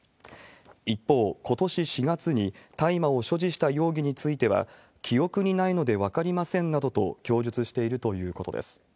一方、ことし４月に大麻を所持した容疑については、記憶にないので分かりませんなどと供述しているということです。